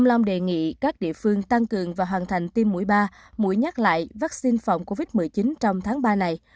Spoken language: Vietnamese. ông long đề nghị các địa phương tăng cường và hoàn thành tiêm mũi ba mũi nhắc lại vaccine phòng covid một mươi chín trong tháng ba này